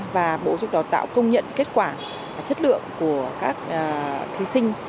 và bộ dục đào tạo công nhận kết quả chất lượng của các thí sinh